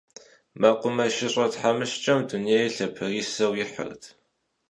МэкъумэшыщӀэ тхьэмыщкӀэм дунейр лъапэрисэу ихьырт.